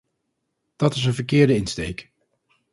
Dat is een verkeerde insteek.